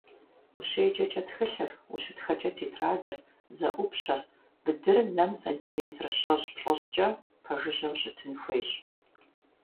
УщеджэкӀэ тхылъыр, ущытхэкӀэ тетрадыр, зэӀупщэр, бдыр нэм сантиметр щэщӀ—плӀыщӀкӀэ пэжыжьэу щытын хуейщ.